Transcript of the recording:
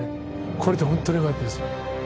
来れて本当によかったです。